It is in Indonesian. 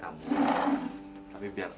kamu duduk aja bayi bayi di situ